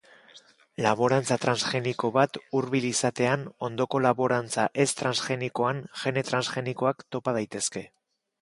Laborantza transgeniko bat hurbil izatean ondoko laborantza ez transgenikoan gene transgenikoak topa daitezke.